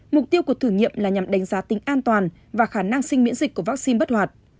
mục tiêu của thử nghiệm là nhằm đánh giá tính an toàn và khả năng sinh miễn dịch của vaccine bất hoạt